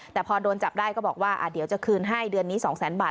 แต่พอโดนจับได้ก็บอกว่าเดี๋ยวจะคืนให้เดือนนี้๒แสนบาท